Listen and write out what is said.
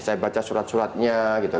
saya baca surat suratnya